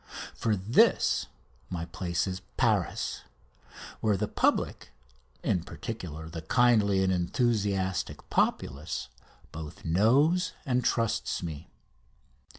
For this my place is Paris, where the public, in particular the kindly and enthusiastic populace, both knows and trusts me.